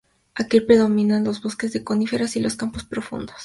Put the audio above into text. Aquí predominan los bosques de coníferas y los campos profundos.